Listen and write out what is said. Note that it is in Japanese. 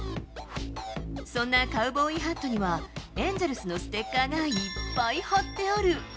そんなカウボーイハットには、エンゼルスのステッカーがいっぱい貼ってある。